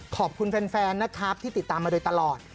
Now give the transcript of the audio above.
ขอบคุณแฟนนะครับที่ติดตามมาโดยตลอด